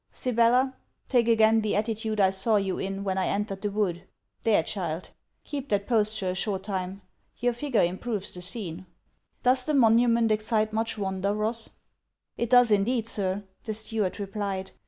'Sibella, take again the attitude I saw you in when I entered the wood. There, child; keep that posture a short time, your figure improves the scene.' 'Does the monument excite much wonder, Ross?' 'It does indeed, Sir,' the steward replied.